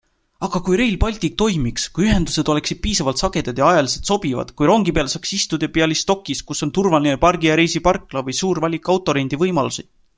Aga kui Rail Baltic toimiks, kui ühendused oleksid piisavalt sagedad ja ajaliselt sobivad, kui rongi peale saaks istuda Byalistokis, kus on turvaline pargi-ja-reisi-parkla või suur valik autorendivõimalusi?